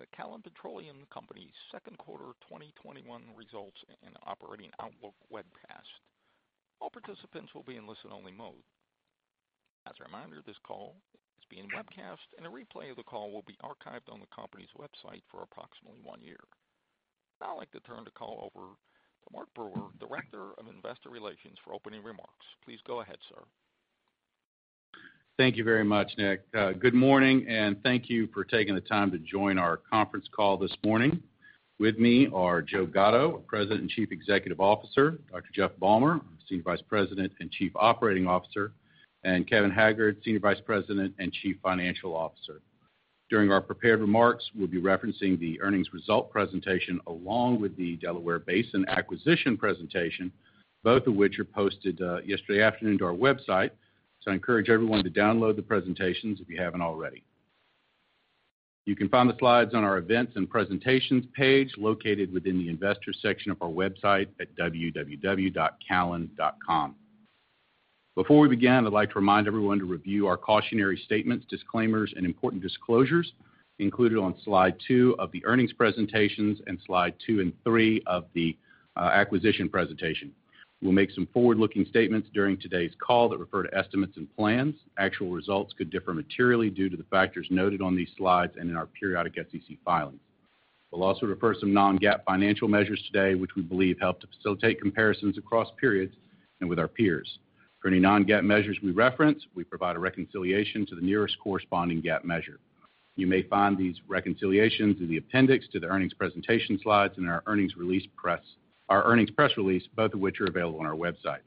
Welcome to Callon Petroleum Company second quarter 2021 results and operating outlook webcast. All participants will be in listen-only mode. As a reminder, this call is being webcast, and a replay of the call will be archived on the company's website for approximately one year. Now I'd like to turn the call over to Mark Brewer, Director of Investor Relations, for opening remarks. Please go ahead, sir. Thank you very much, Nick. Good morning, and thank you for taking the time to join our conference call this morning. With me are Joe Gatto, President and Chief Executive Officer, Dr. Jeff Balmer, Senior Vice President and Chief Operating Officer, and Kevin Haggard, Senior Vice President and Chief Financial Officer. During our prepared remarks, we'll be referencing the earnings result presentation along with the Delaware Basin acquisition presentation, both of which were posted yesterday afternoon to our website. I encourage everyone to download the presentations if you haven't already. You can find the slides on our Events and Presentations page located within the Investors section of our website at www.callon.com. Before we begin, I'd like to remind everyone to review our cautionary statements, disclaimers, and important disclosures included on slide two of the earnings presentations and slide two and three of the acquisition presentation. We'll make some forward-looking statements during today's call that refer to estimates and plans. Actual results could differ materially due to the factors noted on these slides and in our periodic SEC filings. We'll also refer some non-GAAP financial measures today, which we believe help to facilitate comparisons across periods and with our peers. For any non-GAAP measures we reference, we provide a reconciliation to the nearest corresponding GAAP measure. You may find these reconciliations in the appendix to the earnings presentation slides and our earnings press release, both of which are available on our website.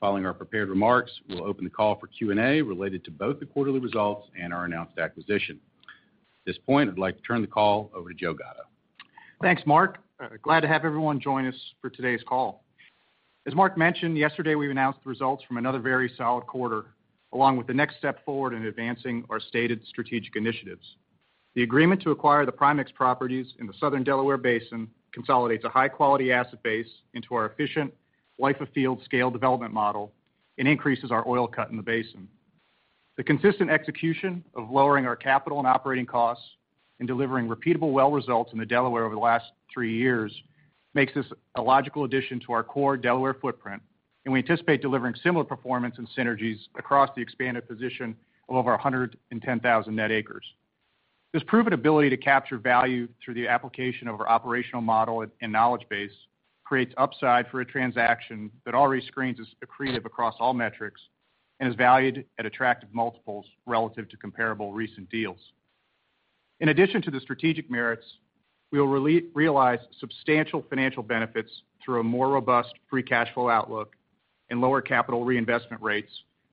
Following our prepared remarks, we'll open the call for Q&A related to both the quarterly results and our announced acquisition. At this point, I'd like to turn the call over to Joe Gatto. Thanks, Mark. Glad to have everyone join us for today's call. As Mark mentioned, yesterday we announced the results from another very solid quarter, along with the next step forward in advancing our stated strategic initiatives. The agreement to acquire the Primexx properties in the southern Delaware Basin consolidates a high-quality asset base into our efficient life of field scale development model and increases our oil cut in the basin. The consistent execution of lowering our capital and operating costs and delivering repeatable well results in the Delaware over the last three years makes this a logical addition to our core Delaware footprint, and we anticipate delivering similar performance and synergies across the expanded position of over 110,000 net acres. This proven ability to capture value through the application of our operational model and knowledge base creates upside for a transaction that already screens as accretive across all metrics and is valued at attractive multiples relative to comparable recent deals. In addition to the strategic merits, we will realize substantial financial benefits through a more robust free cash flow outlook and lower capital reinvestment rates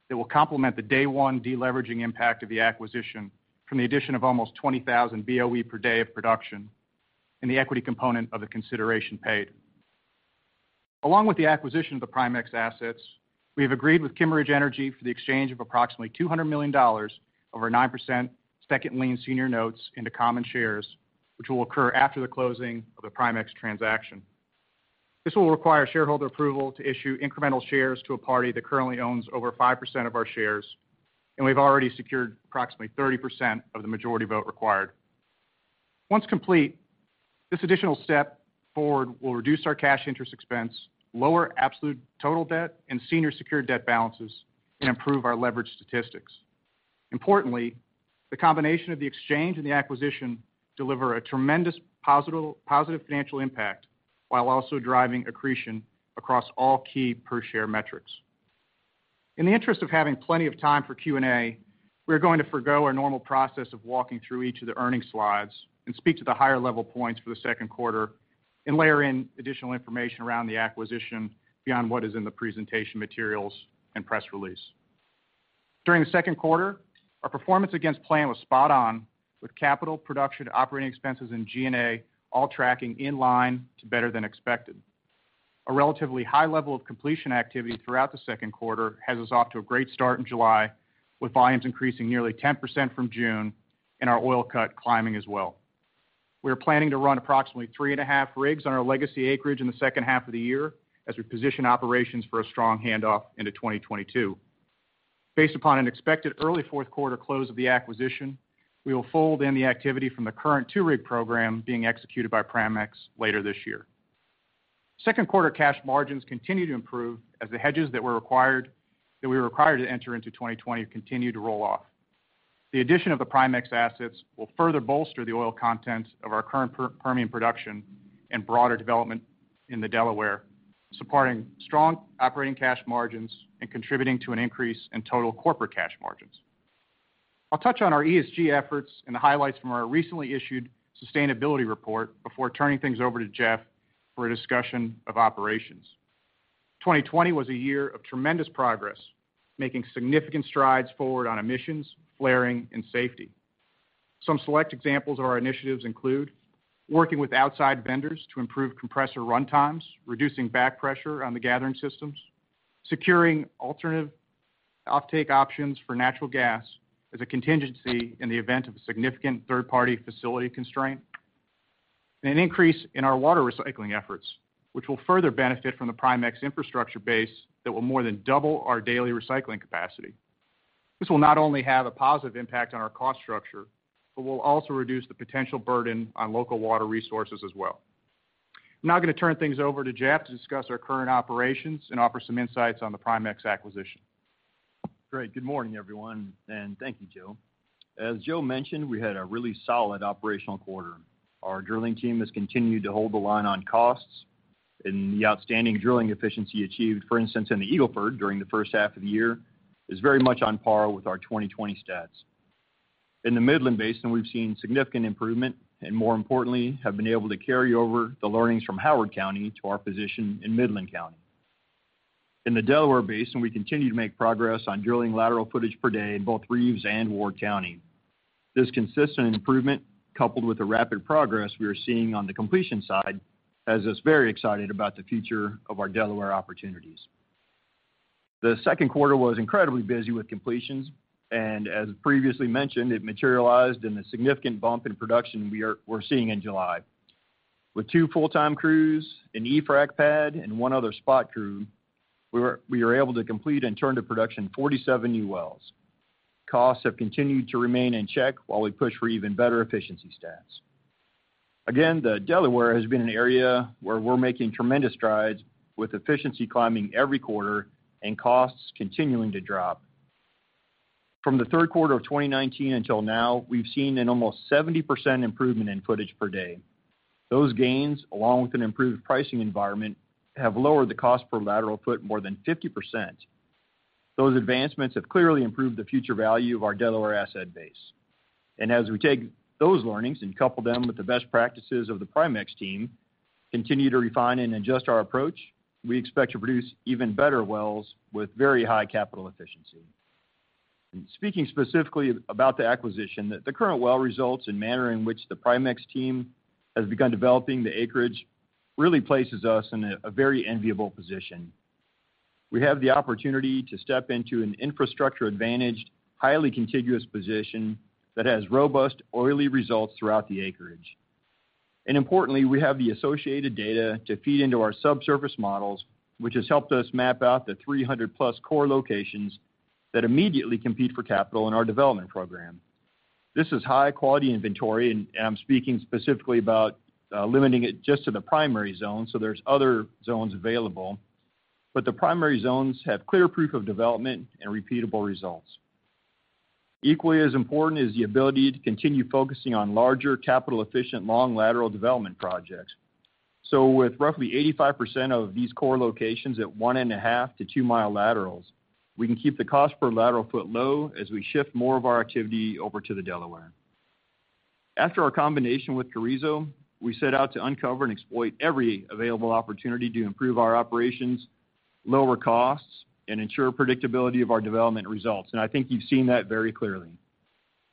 that will complement the day one de-leveraging impact of the acquisition from the addition of almost 20,000 BOE per day of production in the equity component of the consideration paid. Along with the acquisition of the Primexx assets, we have agreed with Kimmeridge Energy for the exchange of approximately $200 million of our 9% second lien senior notes into common shares, which will occur after the closing of the Primexx transaction. This will require shareholder approval to issue incremental shares to a party that currently owns over 5% of our shares, and we've already secured approximately 30% of the majority vote required. Once complete, this additional step forward will reduce our cash interest expense, lower absolute total debt and senior secured debt balances, and improve our leverage statistics. Importantly, the combination of the exchange and the acquisition deliver a tremendous positive financial impact while also driving accretion across all key per-share metrics. In the interest of having plenty of time for Q&A, we are going to forgo our normal process of walking through each of the earnings slides and speak to the higher-level points for the second quarter and layer in additional information around the acquisition beyond what is in the presentation materials and press release. During the second quarter, our performance against plan was spot on, with capital production, operating expenses, and G&A all tracking in line to better than expected. A relatively high level of completion activity throughout the second quarter has us off to a great start in July, with volumes increasing nearly 10% from June and our oil cut climbing as well. We are planning to run approximately 3.5 rigs on our legacy acreage in the second half of the year as we position operations for a strong handoff into 2022. Based upon an expected early fourth quarter close of the acquisition, we will fold in the activity from the current two-rig program being executed by Primexx later this year. Second quarter cash margins continue to improve as the hedges that we were required to enter into 2020 continue to roll off. The addition of the Primexx assets will further bolster the oil content of our current Permian production and broader development in the Delaware, supporting strong operating cash margins and contributing to an increase in total corporate cash margins. I'll touch on our ESG efforts and the highlights from our recently issued sustainability report before turning things over to Jeff for a discussion of operations. 2020 was a year of tremendous progress, making significant strides forward on emissions, flaring, and safety. Some select examples of our initiatives include working with outside vendors to improve compressor runtimes, reducing back pressure on the gathering systems, securing alternative offtake options for natural gas as a contingency in the event of a significant third-party facility constraint. An increase in our water recycling efforts, which will further benefit from the Primexx infrastructure base that will more than double our daily recycling capacity. This will not only have a positive impact on our cost structure, but will also reduce the potential burden on local water resources as well. I'm now going to turn things over to Jeff to discuss our current operations and offer some insights on the Primexx acquisition. Great. Good morning, everyone, and thank you, Joe. As Joe mentioned, we had a really solid operational quarter. Our drilling team has continued to hold the line on costs, and the outstanding drilling efficiency achieved, for instance, in the Eagle Ford during the first half of the year, is very much on par with our 2020 stats. In the Midland Basin, we've seen significant improvement, and more importantly, have been able to carry over the learnings from Howard County to our position in Midland County. In the Delaware Basin, we continue to make progress on drilling lateral footage per day in both Reeves and Ward County. This consistent improvement, coupled with the rapid progress we are seeing on the completion side, has us very excited about the future of our Delaware opportunities. The second quarter was incredibly busy with completions, as previously mentioned, it materialized in a significant bump in production we're seeing in July. With two full-time crews, an e-frac pad, and one other spot crew, we were able to complete and turn to production 47 new wells. Costs have continued to remain in check while we push for even better efficiency stats. Again, the Delaware has been an area where we're making tremendous strides with efficiency climbing every quarter and costs continuing to drop. From the third quarter of 2019 until now, we've seen an almost 70% improvement in footage per day. Those gains, along with an improved pricing environment, have lowered the cost per lateral foot more than 50%. Those advancements have clearly improved the future value of our Delaware asset base. As we take those learnings and couple them with the best practices of the Primexx team, continue to refine and adjust our approach, we expect to produce even better wells with very high capital efficiency. Speaking specifically about the acquisition, the current well results and manner in which the Primexx team has begun developing the acreage really places us in a very enviable position. We have the opportunity to step into an infrastructure-advantaged, highly contiguous position that has robust oily results throughout the acreage. Importantly, we have the associated data to feed into our subsurface models, which has helped us map out the 300+ core locations that immediately compete for capital in our development program. This is high-quality inventory, and I'm speaking specifically about limiting it just to the primary zone, so there's other zones available. The primary zones have clear proof of development and repeatable results. Equally as important is the ability to continue focusing on larger capital efficient long lateral development projects. With roughly 85% of these core locations at one and a half to 2-mile laterals, we can keep the cost per lateral foot low as we shift more of our activity over to the Delaware. After our combination with Carrizo, we set out to uncover and exploit every available opportunity to improve our operations, lower costs, and ensure predictability of our development results. I think you've seen that very clearly.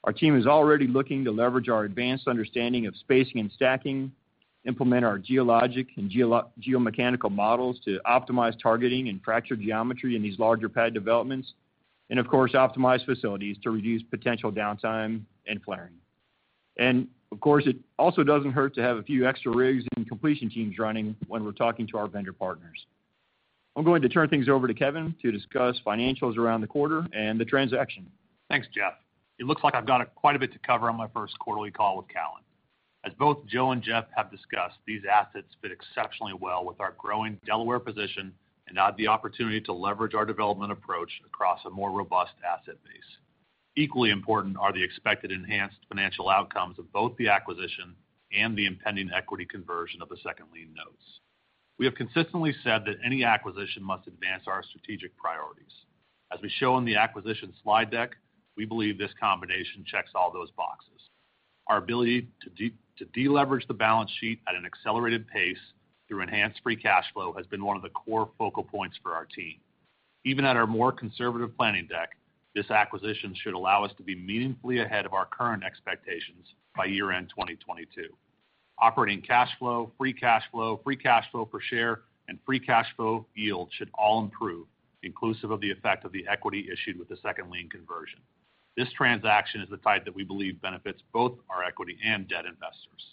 Our team is already looking to leverage our advanced understanding of spacing and stacking, implement our geologic and geomechanical models to optimize targeting and fracture geometry in these larger pad developments, and of course, optimize facilities to reduce potential downtime and flaring. Of course, it also doesn't hurt to have a few extra rigs and completion teams running when we're talking to our vendor partners. I'm going to turn things over to Kevin to discuss financials around the quarter and the transaction. Thanks, Jeff. It looks like I've got quite a bit to cover on my first quarterly call with Callon. As both Joe and Jeff have discussed, these assets fit exceptionally well with our growing Delaware position and add the opportunity to leverage our development approach across a more robust asset base. Equally important are the expected enhanced financial outcomes of both the acquisition and the impending equity conversion of the second lien notes. We have consistently said that any acquisition must advance our strategic priorities. As we show in the acquisition slide deck, we believe this combination checks all those boxes. Our ability to de-leverage the balance sheet at an accelerated pace through enhanced free cash flow has been one of the core focal points for our team. Even at our more conservative planning deck, this acquisition should allow us to be meaningfully ahead of our current expectations by year-end 2022. Operating cash flow, free cash flow, free cash flow per share, and free cash flow yield should all improve, inclusive of the effect of the equity issued with the second lien conversion. This transaction is the type that we believe benefits both our equity and debt investors.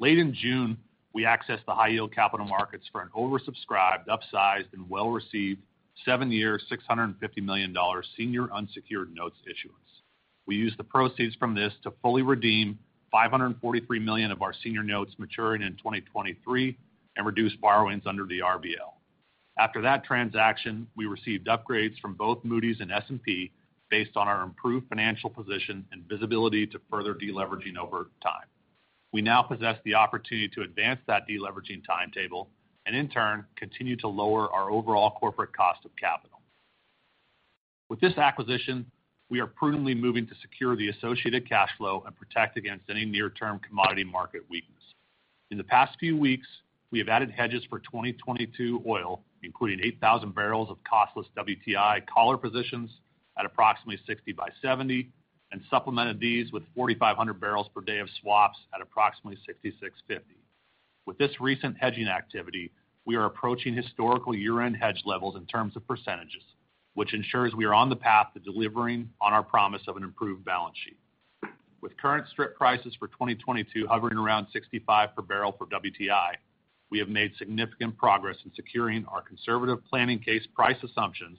Late in June, we accessed the high-yield capital markets for an oversubscribed, upsized, and well-received seven-year, $650 million senior unsecured notes issuance. We used the proceeds from this to fully redeem $543 million of our senior notes maturing in 2023 and reduce borrowings under the RBL. After that transaction, we received upgrades from both Moody's and S&P based on our improved financial position and visibility to further de-leveraging over time. We now possess the opportunity to advance that de-leveraging timetable and in turn, continue to lower our overall corporate cost of capital. With this acquisition, we are prudently moving to secure the associated cash flow and protect against any near-term commodity market weakness. In the past few weeks, we have added hedges for 2022 oil, including 8,000 barrels of costless WTI collar positions at approximately $60 by $70 and supplemented these with 4,500 barrels per day of swaps at approximately $66.50. With this recent hedging activity, we are approaching historical year-end hedge levels in terms of percent, which ensures we are on the path to delivering on our promise of an improved balance sheet. With current strip prices for 2022 hovering around $65 per barrel for WTI, we have made significant progress in securing our conservative planning case price assumptions,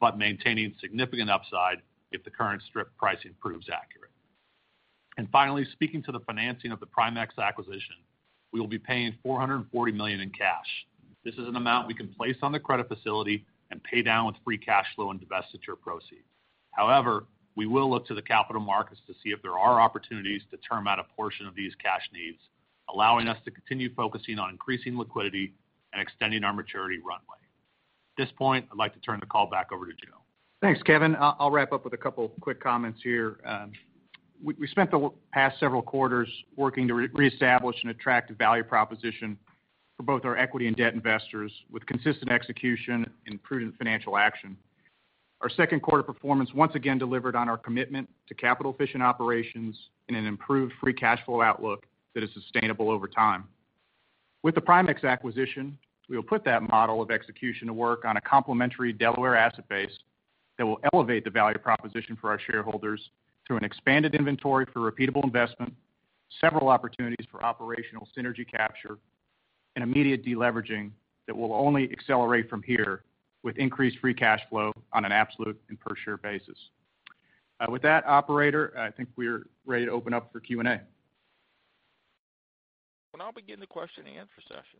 but maintaining significant upside if the current strip pricing proves accurate. Finally, speaking to the financing of the Primexx acquisition, we will be paying $440 million in cash. This is an amount we can place on the credit facility and pay down with free cash flow and divestiture proceeds. However, we will look to the capital markets to see if there are opportunities to term out a portion of these cash needs, allowing us to continue focusing on increasing liquidity and extending our maturity runway. At this point, I'd like to turn the call back over to Joe. Thanks, Kevin. I'll wrap up with a couple of quick comments here. We spent the past several quarters working to reestablish an attractive value proposition for both our equity and debt investors with consistent execution and prudent financial action. Our second quarter performance once again delivered on our commitment to capital-efficient operations and an improved free cash flow outlook that is sustainable over time. With the Primexx acquisition, we will put that model of execution to work on a complementary Delaware asset base that will elevate the value proposition for our shareholders through an expanded inventory for repeatable investment, several opportunities for operational synergy capture, and immediate deleveraging that will only accelerate from here with increased free cash flow on an absolute and per-share basis. With that, operator, I think we're ready to open up for Q&A. We'll now begin the question-and-answer session.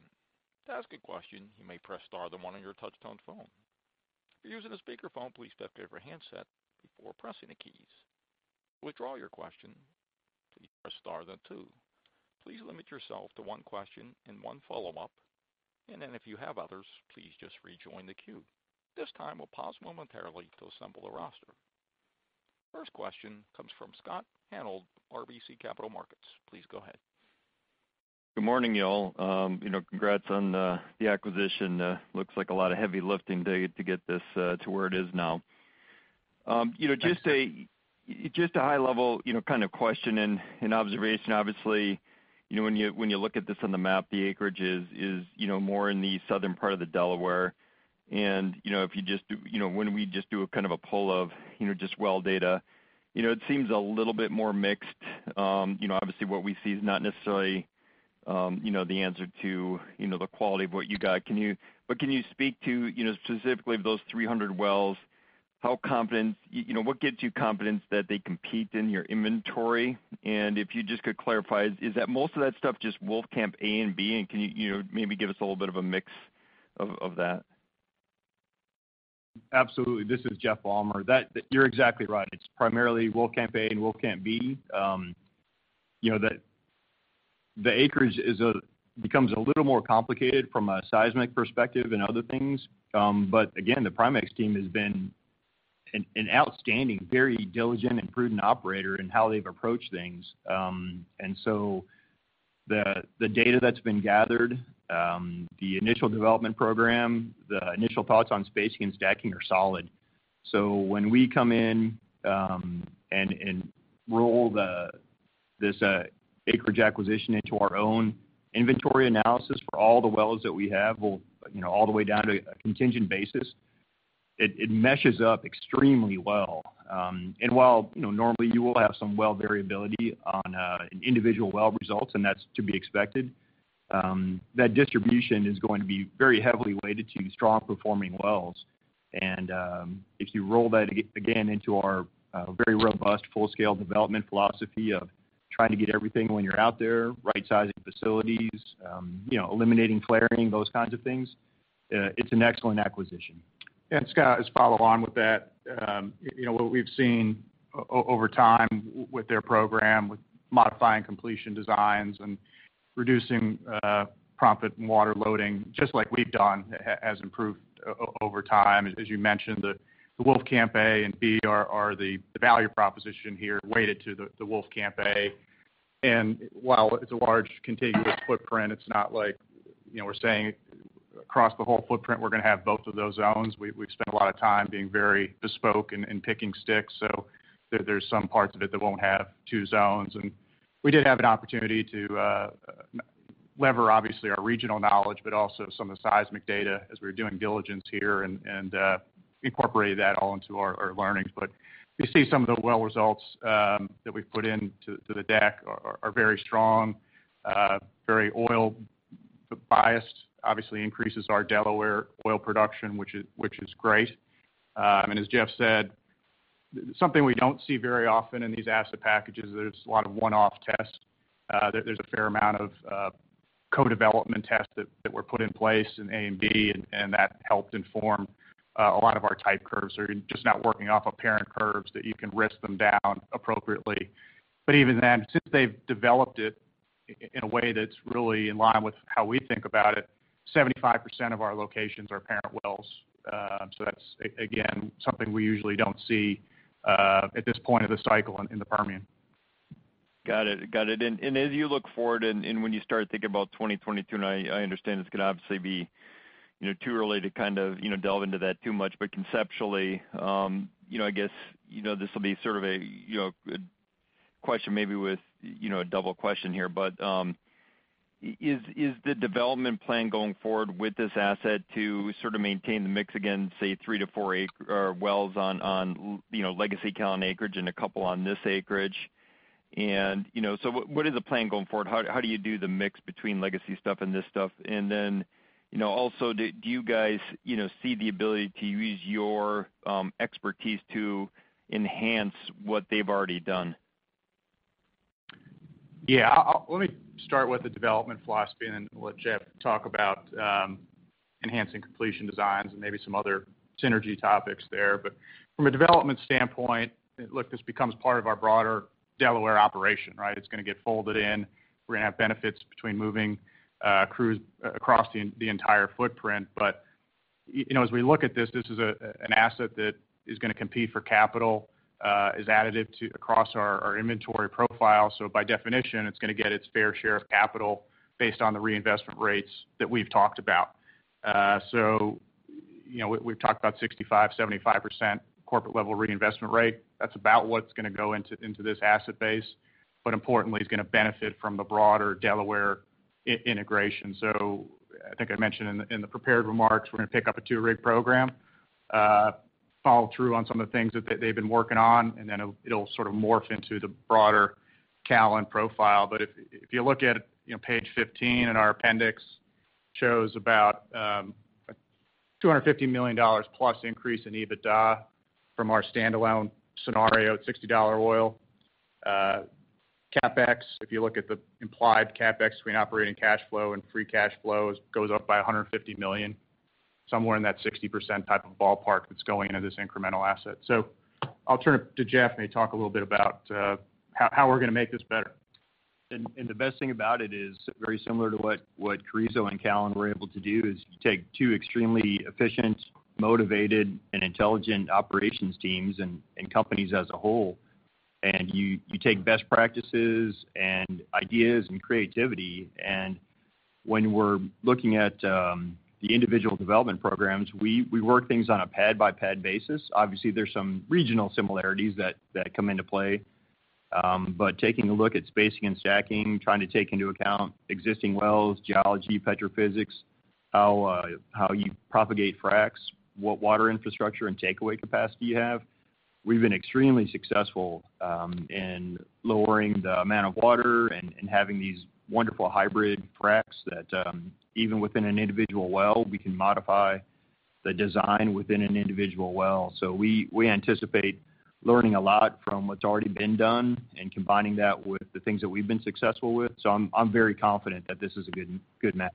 To ask a question, you may press star then one on your touch tone phone. If you're using a speaker phone, please pick up your handset before pressing the keys. To withdraw your question, press star then two. Please limit yourself to one question and one follow up. And then if you have others, please just rejoin the queue. This time we'll pause momentarily to assemble the roster. First question comes from Scott Hanold, RBC Capital Markets. Please go ahead. Good morning, y'all. Congrats on the acquisition. Looks like a lot of heavy lifting to get this to where it is now. Thanks, Scott. Just a high-level kind of question and observation. Obviously, when you look at this on the map, the acreage is more in the southern part of the Delaware. When we just do a poll of just well data, it seems a little bit more mixed. Obviously, what we see is not necessarily the answer to the quality of what you got. Can you speak to specifically those 300 wells, what gives you confidence that they compete in your inventory? If you just could clarify, is that most of that stuff just Wolfcamp A and B? Can you maybe give us a little bit of a mix of that? Absolutely. This is Jeff Balmer. You're exactly right. It's primarily Wolfcamp A and Wolfcamp B. The acreage becomes a little more complicated from a seismic perspective and other things. Again, the Primexx team has been an outstanding, very diligent, and prudent operator in how they've approached things. The data that's been gathered, the initial development program, the initial thoughts on spacing and stacking are solid. When we come in and roll this acreage acquisition into our own inventory analysis for all the wells that we have, all the way down to a contingent basis, it meshes up extremely well. While normally you will have some well variability on individual well results, and that's to be expected, that distribution is going to be very heavily weighted to strong-performing wells. If you roll that, again, into our very robust full-scale development philosophy of trying to get everything when you're out there, right-sizing facilities, eliminating flaring, those kinds of things, it's an excellent acquisition. Scott, just to follow along with that. What we've seen over time with their program, with modifying completion designs and reducing proppant and water loading, just like we've done, has improved over time. As you mentioned, the Wolfcamp A and B are the value proposition here weighted to the Wolfcamp A. While it's a large contiguous footprint, it's not like we're saying across the whole footprint we're going to have both of those zones. We've spent a lot of time being very bespoke and picking sticks. There's some parts of it that won't have two zones. We did have an opportunity to lever, obviously, our regional knowledge, but also some of the seismic data as we were doing diligence here and incorporate that all into our learnings. We see some of the well results that we've put into the deck are very strong, very oil-biased. Obviously increases our Delaware oil production, which is great. As Jeff said, something we don't see very often in these asset packages, there's a lot of one-off tests. There's a fair amount of co-development tests that were put in place in A and B, and that helped inform a lot of our type curves. They're just not working off of parent curves that you can risk them down appropriately. Even then, since they've developed it in a way that's really in line with how we think about it, 75% of our locations are parent wells. That's, again, something we usually don't see at this point of the cycle in the Permian. Got it. As you look forward and when you start thinking about 2022, I understand it's going to obviously be too early to delve into that too much. Conceptually, I guess, this will be sort of a question maybe with a double question here, but is the development plan going forward with this asset to sort of maintain the mix again, say three to four wells on legacy Callon acreage and two on this acreage? What is the plan going forward? How do you do the mix between legacy stuff and this stuff? Then, also do you guys see the ability to use your expertise to enhance what they've already done? Yeah. Let me start with the development philosophy, and then we'll let Jeff talk about enhancing completion designs and maybe some other synergy topics there. From a development standpoint, look, this becomes part of our broader Delaware operation, right? It's going to get folded in. We're going to have benefits between moving crews across the entire footprint. As we look at this is an asset that is going to compete for capital, is additive across our inventory profile. By definition, it's going to get its fair share of capital based on the reinvestment rates that we've talked about. We've talked about 65%, 75% corporate-level reinvestment rate. That's about what's going to go into this asset base. Importantly, it's going to benefit from the broader Delaware integration. I think I mentioned in the prepared remarks, we're going to pick up a two-rig program, follow through on some of the things that they've been working on, and then it'll sort of morph into the broader Callon profile. If you look at page 15 in our appendix, shows about $250+ million increase in EBITDA from our standalone scenario at $60 oil. CapEx, if you look at the implied CapEx between operating cash flow and free cash flow, goes up by $150 million, somewhere in that 60% type of ballpark that's going into this incremental asset. I'll turn it to Jeff, and he'll talk a little bit about how we're going to make this better. The best thing about it is very similar to what Carrizo and Callon were able to do, is you take two extremely efficient, motivated, and intelligent operations teams and companies as a whole, and you take best practices and ideas and creativity. When we're looking at the individual development programs, we work things on a pad-by-pad basis. Obviously, there's some regional similarities that come into play. Taking a look at spacing and stacking, trying to take into account existing wells, geology, petrophysics, how you propagate fracs, what water infrastructure and takeaway capacity you have. We've been extremely successful in lowering the amount of water and having these wonderful hybrid fracs that even within an individual well, we can modify the design within an individual well. We anticipate learning a lot from what's already been done and combining that with the things that we've been successful with. I'm very confident that this is a good match.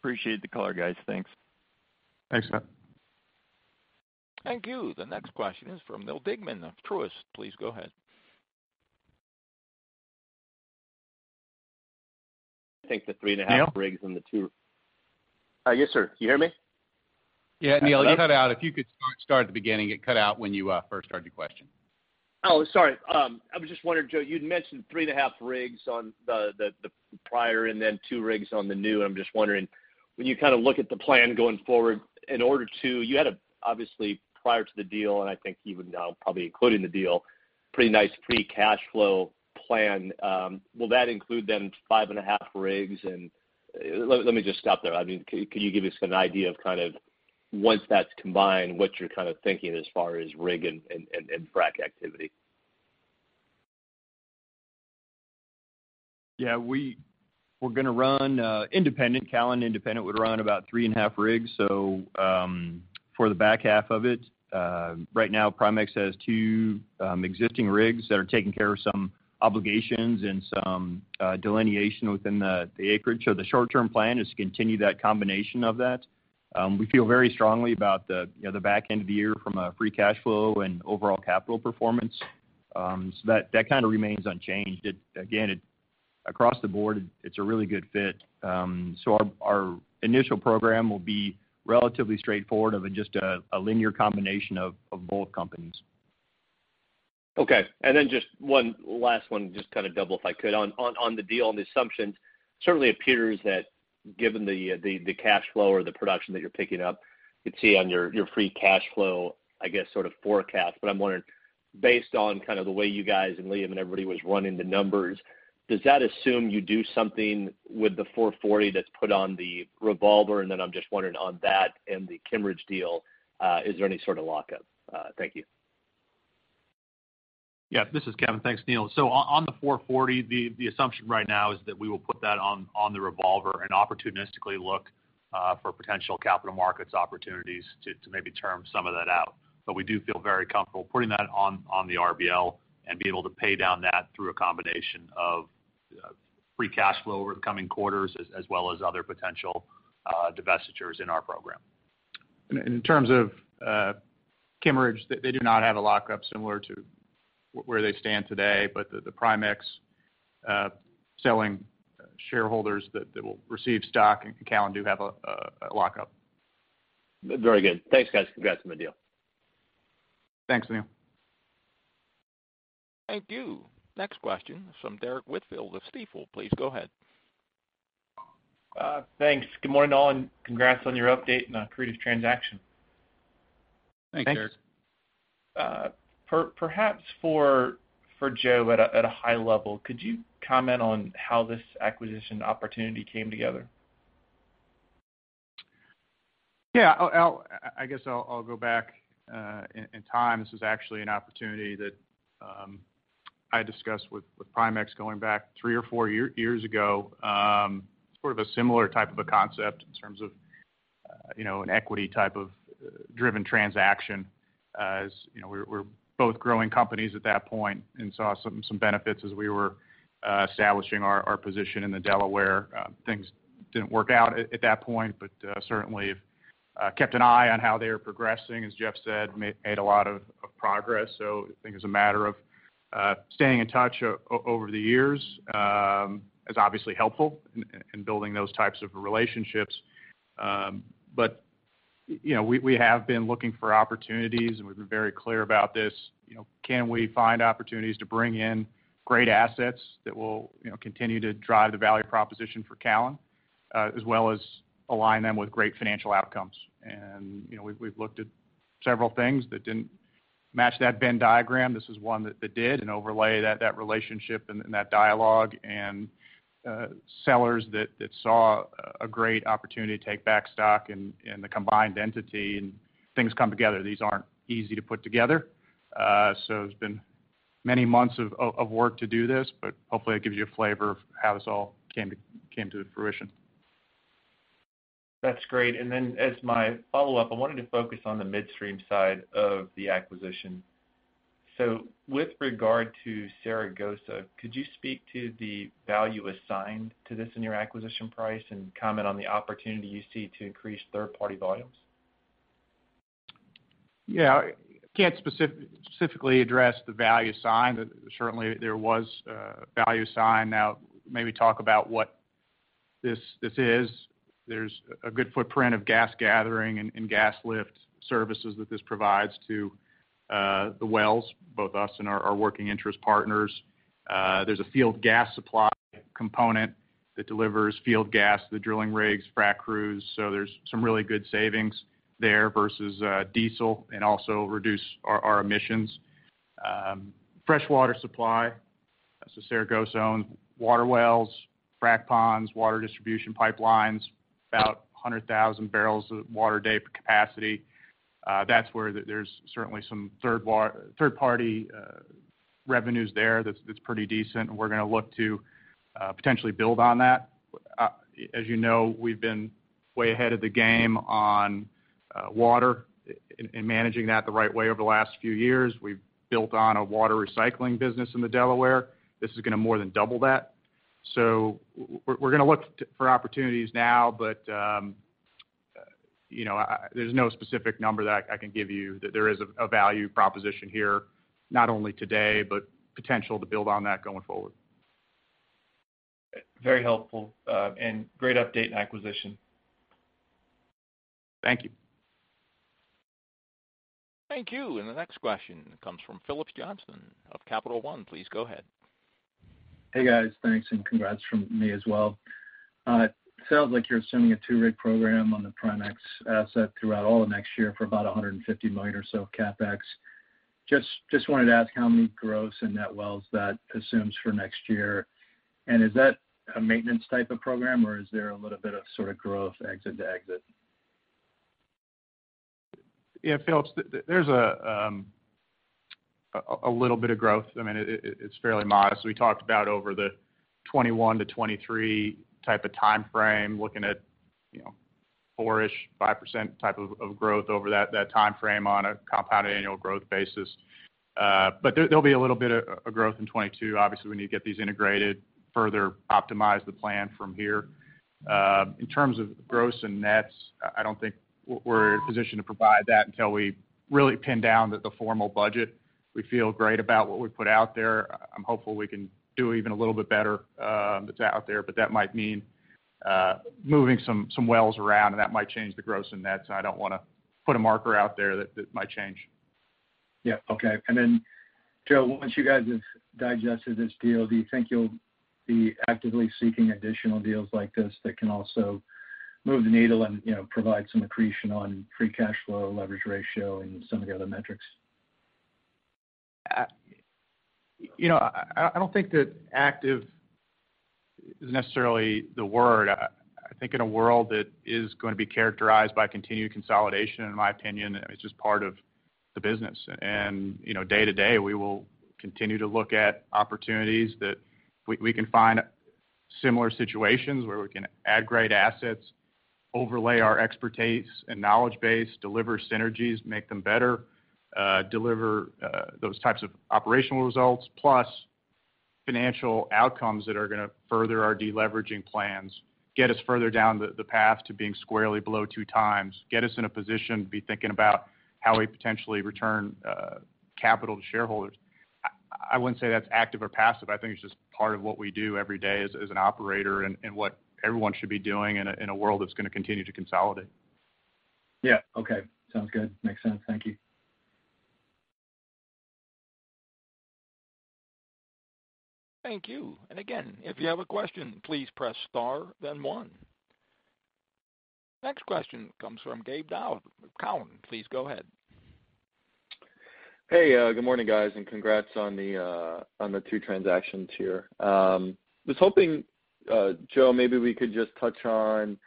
Appreciate the color, guys. Thanks. Thanks, Scott. Thank you. The next question is from Neal Dingmann of Truist. Please go ahead. I think the three and a half. Neal? Rigs and the two Yes, sir. You hear me? Yeah. Neal, you cut out. If you could start at the beginning. It cut out when you first started your question. Sorry. I was just wondering, Joe, you'd mentioned 3.5 rigs on the prior and then two rigs on the new. I'm just wondering, when you look at the plan going forward, you had obviously prior to the deal, and I think even now probably including the deal, pretty nice free cash flow plan. Will that include then 5.5 rigs? Let me just stop there. Can you give us an idea of kind of once that's combined, what you're kind of thinking as far as rig and frac activity? Yeah. Callon independent would run about 3.5 rigs for the back half of it. Right now, Primexx has two existing rigs that are taking care of some obligations and some delineation within the acreage. The short-term plan is to continue that combination of that. We feel very strongly about the back end of the year from a free cash flow and overall capital performance. That kind of remains unchanged. Again, across the board, it's a really good fit. Our initial program will be relatively straightforward of just a linear combination of both companies. Okay. Then just one last one, just to kind of double if I could. On the deal and the assumptions, certainly appears that given the cash flow or the production that you're picking up, you'd see on your free cash flow, I guess, forecast. I'm wondering, based on kind of the way you guys and Liam and everybody was running the numbers, does that assume you do something with the $440 that's put on the revolver? Then I'm just wondering on that and the Kimmeridge deal, is there any lockup? Thank you. Yeah. This is Kevin. Thanks, Neal. On the $440, the assumption right now is that we will put that on the revolver and opportunistically look for potential capital markets opportunities to maybe term some of that out. We do feel very comfortable putting that on the RBL and be able to pay down that through a combination of free cash flow over the coming quarters, as well as other potential divestitures in our program. In terms of Kimmeridge, they do not have a lockup similar to where they stand today, but the Primexx selling shareholders that will receive stock and Callon do have a lockup. Very good. Thanks, guys. Congrats on the deal. Thanks, Neal. Thank you. Next question is from Derrick Whitfield of Stifel. Please go ahead. Thanks. Good morning, all, and congrats on your update and accretive transaction. Thanks, Derrick. Perhaps for Joe, at a high level, could you comment on how this acquisition opportunity came together? I guess I'll go back in time. This was actually an opportunity that I discussed with Primexx going back three or four years ago. Sort of a similar type of a concept in terms of an equity type of driven transaction. As we were both growing companies at that point and saw some benefits as we were establishing our position in the Delaware. Things didn't work out at that point, but certainly kept an eye on how they were progressing. As Jeff said, made a lot of progress. I think as a matter of staying in touch over the years, is obviously helpful in building those types of relationships. We have been looking for opportunities, and we've been very clear about this. Can we find opportunities to bring in great assets that will continue to drive the value proposition for Callon, as well as align them with great financial outcomes? We've looked at several things that didn't match that Venn diagram. This is one that did. Overlay that relationship and that dialogue, and sellers that saw a great opportunity to take back stock in the combined entity, and things come together. These aren't easy to put together. It's been many months of work to do this, but hopefully it gives you a flavor of how this all came to fruition. That's great. As my follow-up, I wanted to focus on the midstream side of the acquisition. With regard to Saragosa, could you speak to the value assigned to this in your acquisition price and comment on the opportunity you see to increase third-party volumes? Yeah. Can't specifically address the value assigned. Certainly, there was value assigned. Maybe talk about what this is. There's a good footprint of gas gathering and gas lift services that this provides to the wells, both us and our working interest partners. There's a field gas supply component that delivers field gas to the drilling rigs, frac crews. There's some really good savings there versus diesel, and also reduce our emissions. Fresh water supply, that's the Saragosa-owned water wells, frac ponds, water distribution pipelines, about 100,000 barrels of water a day capacity. That's where there's certainly some third-party revenues there that's pretty decent, and we're going to look to potentially build on that. As you know, we've been way ahead of the game on water and managing that the right way over the last few years. We've built on a water recycling business in the Delaware. This is going to more than double that. We're going to look for opportunities now, but there's no specific number that I can give you. There is a value proposition here, not only today, but potential to build on that going forward. Very helpful. Great update and acquisition. Thank you. Thank you. The next question comes from Phillips Johnston of Capital One. Please go ahead. Hey, guys. Thanks, and congrats from me as well. It sounds like you're assuming a two-rig program on the Primexx asset throughout all of next year for about $150 million or so CapEx. Just wanted to ask how many gross and net wells that assumes for next year. Is that a maintenance type of program, or is there a little bit of sort of growth exit to exit? Yeah, Phillips, there's a little bit of growth. I mean, it's fairly modest. We talked about over the 2021 to 2023 type of timeframe, looking at 4%-ish, 5% type of growth over that timeframe on a compounded annual growth basis. There'll be a little bit of growth in 2022. Obviously, we need to get these integrated, further optimize the plan from here. In terms of gross and nets, I don't think we're in a position to provide that until we really pin down the formal budget. We feel great about what we put out there. I'm hopeful we can do even a little bit better that's out there, but that might mean moving some wells around, and that might change the gross and nets. I don't want to put a marker out there. That might change. Yeah. Okay. Joe, once you guys have digested this deal, do you think you'll be actively seeking additional deals like this that can also move the needle and provide some accretion on free cash flow, leverage ratio, and some of the other metrics? I don't think that active is necessarily the word. I think in a world that is going to be characterized by continued consolidation, in my opinion, it's just part of the business. Day to day, we will continue to look at opportunities that we can find similar situations where we can add great assets, overlay our expertise and knowledge base, deliver synergies, make them better, deliver those types of operational results. Plus financial outcomes that are going to further our deleveraging plans, get us further down the path to being squarely below 2x, get us in a position to be thinking about how we potentially return capital to shareholders. I wouldn't say that's active or passive. I think it's just part of what we do every day as an operator and what everyone should be doing in a world that's going to continue to consolidate. Yeah. Okay. Sounds good. Makes sense. Thank you. Thank you. Again, if you have a question, please press star, then one. Next question comes from Gabe Daoud of Cowen. Please go ahead. Hey, good morning, guys, and congrats on the two transactions here. I was hoping, Joe, maybe we could just touch on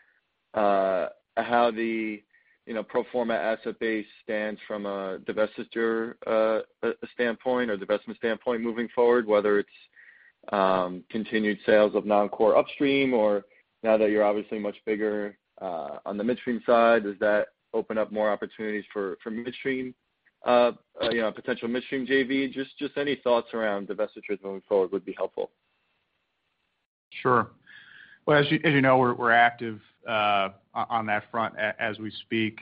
how the pro forma asset base stands from a divestiture standpoint or divestment standpoint moving forward, whether it's continued sales of non-core upstream, or now that you're obviously much bigger on the midstream side, does that open up more opportunities for midstream, potential midstream JV? Just any thoughts around divestitures moving forward would be helpful. Sure. Well, as you know, we're active on that front as we speak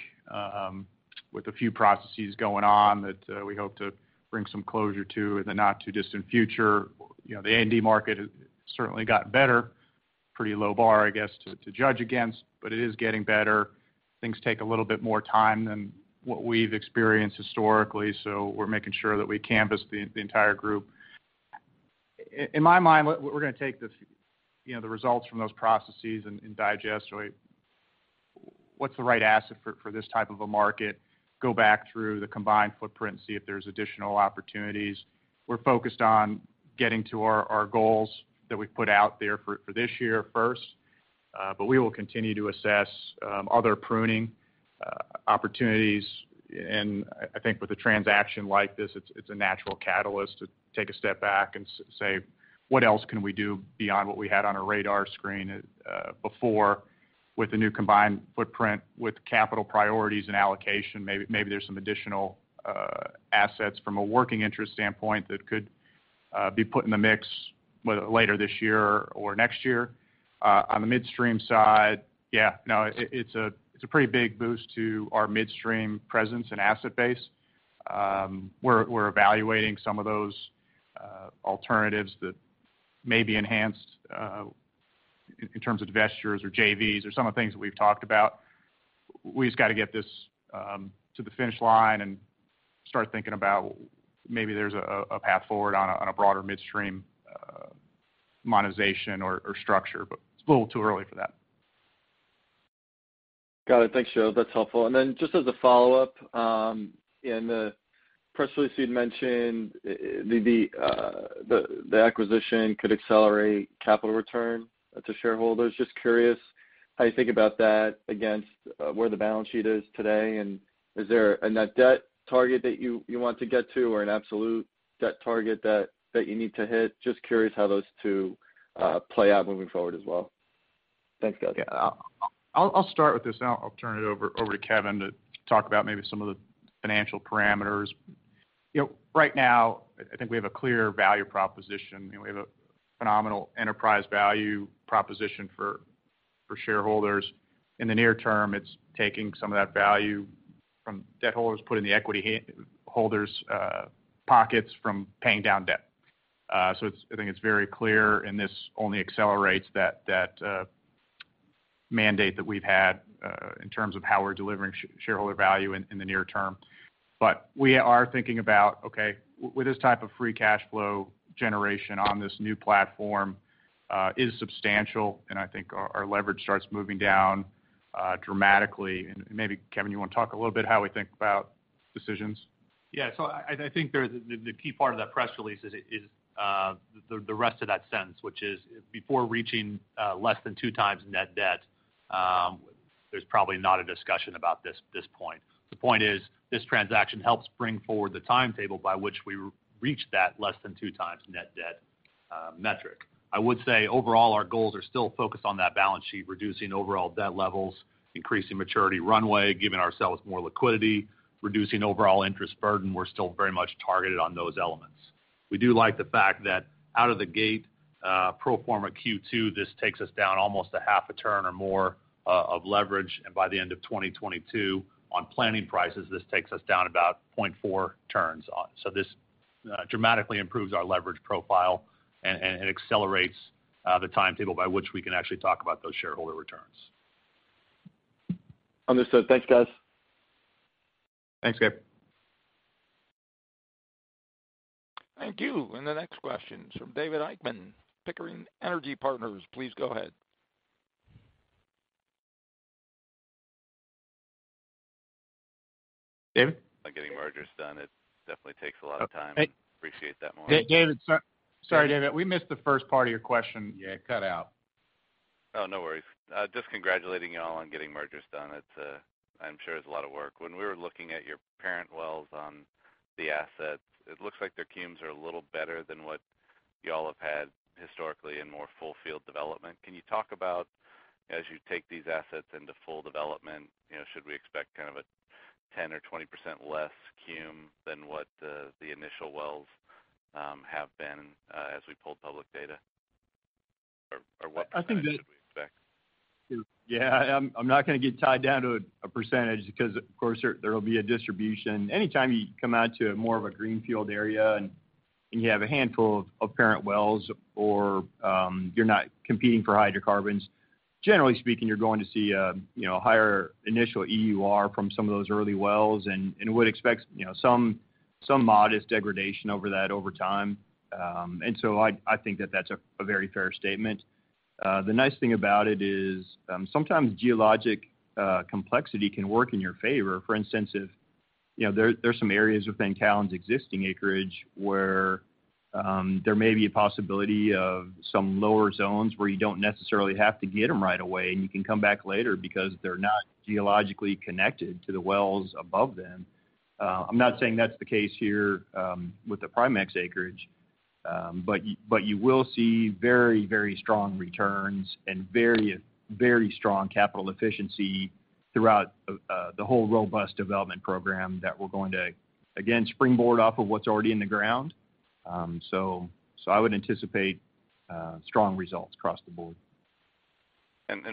with a few processes going on that we hope to bring some closure to in the not-too-distant future. The A&D market has certainly gotten better. Pretty low bar, I guess, to judge against, but it is getting better. Things take a little bit more time than what we've experienced historically, so we're making sure that we canvass the entire group. In my mind, we're going to take the results from those processes and digest what's the right asset for this type of a market, go back through the combined footprint and see if there's additional opportunities. We're focused on getting to our goals that we put out there for this year first, but we will continue to assess other pruning opportunities. I think with a transaction like this, it's a natural catalyst to take a step back and say, "What else can we do beyond what we had on our radar screen before with the new combined footprint, with capital priorities and allocation? Maybe there's some additional assets from a working interest standpoint that could be put in the mix later this year or next year." On the midstream side, yeah, it's a pretty big boost to our midstream presence and asset base. We're evaluating some of those alternatives that may be enhanced in terms of divestitures or JVs or some of the things that we've talked about. We just got to get this to the finish line and start thinking about maybe there's a path forward on a broader midstream monetization or structure, but it's a little too early for that. Got it. Thanks, Joe. That's helpful. Just as a follow-up, in the press release, you'd mentioned the acquisition could accelerate capital return to shareholders. Just curious how you think about that against where the balance sheet is today. Is there a net debt target that you want to get to or an absolute debt target that you need to hit? Just curious how those two play out moving forward as well. Thanks, guys. I'll start with this, and then I'll turn it over to Kevin to talk about maybe some of the financial parameters. Right now, I think we have a clear value proposition. We have a phenomenal enterprise value proposition for shareholders. In the near term, it's taking some of that value from debt holders, put in the equity holders' pockets from paying down debt. I think it's very clear, and this only accelerates that mandate that we've had in terms of how we're delivering shareholder value in the near term. We are thinking about, okay, with this type of free cash flow generation on this new platform is substantial, and I think our leverage starts moving down dramatically. Maybe, Kevin, you want to talk a little bit how we think about decisions? Yeah. I think the key part of that press release is the rest of that sentence, which is before reaching less than 2x net debt. There's probably not a discussion about this at this point. The point is this transaction helps bring forward the timetable by which we reach that less than 2x net debt metric. I would say overall, our goals are still focused on that balance sheet, reducing overall debt levels, increasing maturity runway, giving ourselves more liquidity, reducing overall interest burden. We're still very much targeted on those elements. We do like the fact that out of the gate pro forma Q2, this takes us down almost a half a turn or more of leverage. By the end of 2022 on planning prices, this takes us down about 0.4 turns. This dramatically improves our leverage profile and accelerates the timetable by which we can actually talk about those shareholder returns. Understood. Thanks, guys. Thanks, Gabe. Thank you. The next question is from David Heikkinen, Pickering Energy Partners. Please go ahead. David? On getting mergers done. It definitely takes a lot of time. Appreciate that morning. Sorry, David. We missed the first part of your question. Yeah, it cut out. Oh, no worries. Just congratulating you all on getting mergers done. I'm sure it's a lot of work. When we were looking at your parent wells on the assets, it looks like their cums are a little better than what you all have had historically in more full field development. Can you talk about as you take these assets into full development, should we expect kind of a 10% or 20% less cum than what the initial wells have been as we pull public data? Or what percentage should we expect? Yeah, I'm not going to get tied down to a percentage because, of course, there will be a distribution. Anytime you come out to more of a greenfield area, and you have a handful of parent wells, or you're not competing for hydrocarbons. Generally speaking, you're going to see a higher initial EUR from some of those early wells, and would expect some modest degradation over that over time. I think that that's a very fair statement. The nice thing about it is, sometimes geologic complexity can work in your favor. For instance, there's some areas within Callon's existing acreage where there may be a possibility of some lower zones where you don't necessarily have to get them right away, and you can come back later because they're not geologically connected to the wells above them. I'm not saying that's the case here with the Primexx acreage. You will see very, very strong returns and very strong capital efficiency throughout the whole robust development program that we're going to, again, springboard off of what's already in the ground. I would anticipate strong results across the board.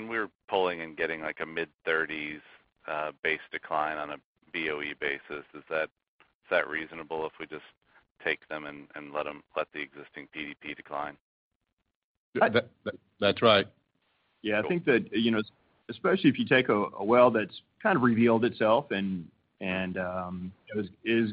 We're pulling and getting like a mid-30s base decline on a BOE basis. Is that reasonable if we just take them and let the existing PDP decline? That's right. Yeah. I think that, especially if you take a well that's kind of revealed itself and is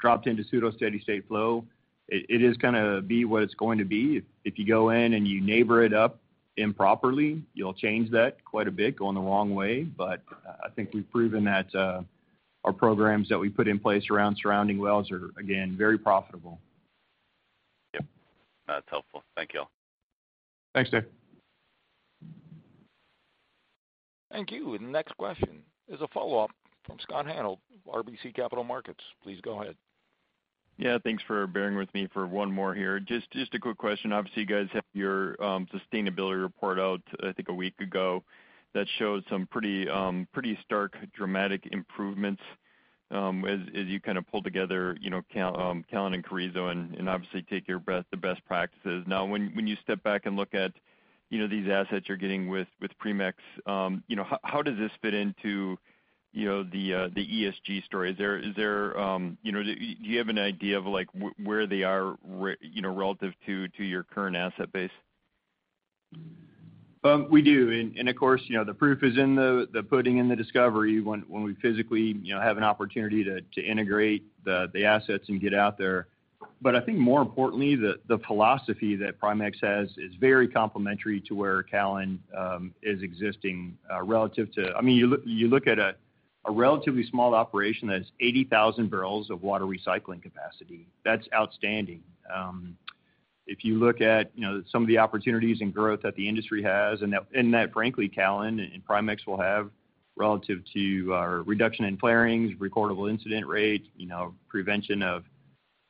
dropped into pseudosteady-state flow, it is going to be what it's going to be. If you go in and you neighbor it up improperly, you'll change that quite a bit going the wrong way. I think we've proven that our programs that we put in place around surrounding wells are, again, very profitable. Yep. That's helpful. Thank you. Thanks, Dave. Thank you. The next question is a follow-up from Scott Hanold, RBC Capital Markets. Please go ahead. Yeah. Thanks for bearing with me for one more here. Just a quick question. Obviously, you guys have your sustainability report out, I think a week ago, that shows some pretty stark, dramatic improvements as you kind of pull together Callon and Carrizo and obviously take the best practices. When you step back and look at these assets you're getting with Primexx, how does this fit into the ESG story? Do you have an idea of where they are relative to your current asset base? We do, of course, the proof is in the pudding and the discovery when we physically have an opportunity to integrate the assets and get out there. I think more importantly, the philosophy that Primexx has is very complementary to where Callon is existing relative to. You look at a relatively small operation that has 80,000 barrels of water recycling capacity. That's outstanding. If you look at some of the opportunities and growth that the industry has, and that frankly, Callon and Primexx will have relative to our reduction in flarings, recordable incident rate, prevention of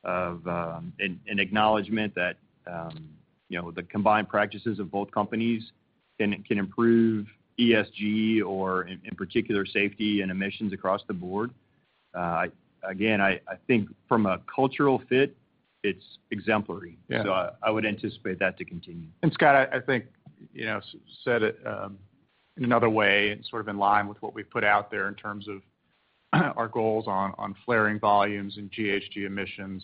an acknowledgment that the combined practices of both companies can improve ESG or, in particular, safety and emissions across the board. I think from a cultural fit, it's exemplary. Yeah. I would anticipate that to continue. Scott, I think, said it in another way and sort of in line with what we've put out there in terms of our goals on flaring volumes and GHG emissions.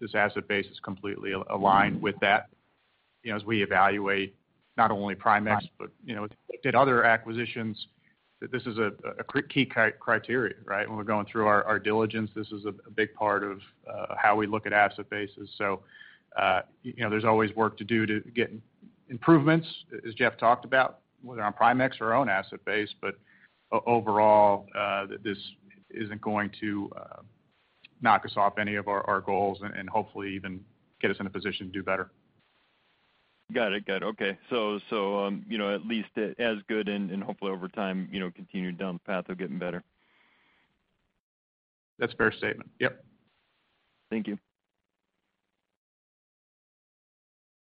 This asset base is completely aligned with that. As we evaluate not only Primexx, but did other acquisitions, that this is a key criteria, right? When we're going through our diligence, this is a big part of how we look at asset bases. There's always work to do to get improvements, as Jeff talked about, whether on Primexx or our own asset base. Overall, this isn't going to knock us off any of our goals and hopefully even get us in a position to do better. Got it. Good. Okay. At least as good and hopefully over time continue down the path of getting better. That's a fair statement. Yep. Thank you.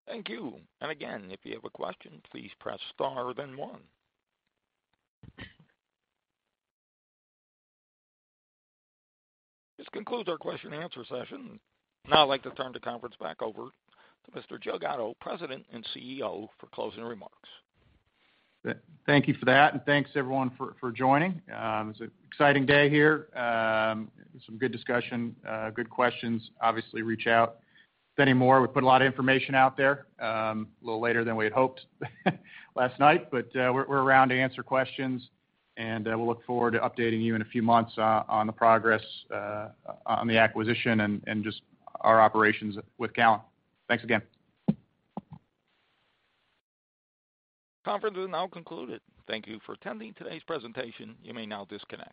Thank you. Again, if you have a question, please press star then one. This concludes our question-and-answer session. Now I'd like to turn the conference back over to Mr. Joe Gatto, President and CEO, for closing remarks. Thank you for that, and thanks everyone for joining. It's an exciting day here. Some good discussion, good questions. Obviously, reach out with any more. We put a lot of information out there a little later than we had hoped last night. We're around to answer questions, and we'll look forward to updating you in a few months on the progress on the acquisition and just our operations with Callon. Thanks again. Conference is now concluded. Thank you for attending today's presentation. You may now disconnect.